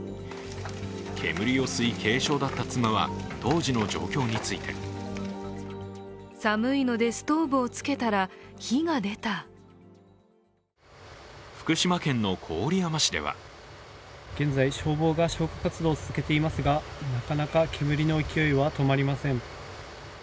煙を吸い軽傷だった妻は当時の状況について現在、消防が消火活動を続けていますが、なかなか煙の勢いは止まりません。